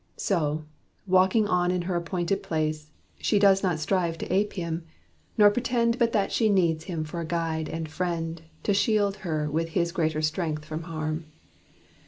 So, walking on in her appointed place, She does not strive to ape him, nor pretend But that she needs him for a guide and friend, To shield her with his greater strength from harm.